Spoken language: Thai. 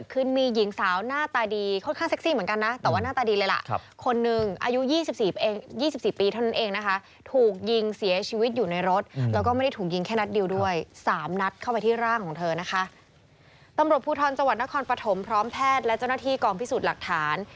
ตำรวจภูทรจังหวัดนครปฐมพร้อมแพทย์และเจ้าหน้าที่กองพิสูจน์หลักฐาน